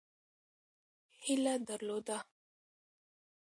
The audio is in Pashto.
هیله درلوده.